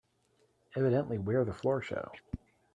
Evidently we're the floor show.